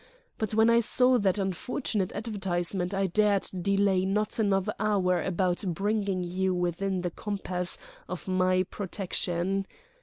But when I saw that unfortunate advertisement I dared delay not another hour about bringing you within the compass of my protection.